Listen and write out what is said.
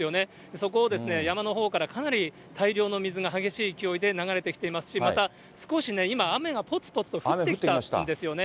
そこを山のほうから、かなり大量の水が激しい勢いで流れてきていますし、また少しね、今、雨がぽつぽつと降ってきてるんですよね。